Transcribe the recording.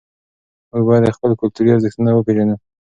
موږ باید خپل کلتوري ارزښتونه وپېژنو.